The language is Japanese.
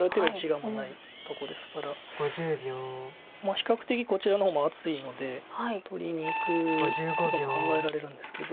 比較的こちらの方も厚いので取りにいくこと考えられるんですけど。